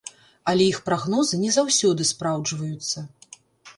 Але іх прагнозы не заўсёды спраўджваюцца.